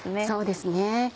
そうですね。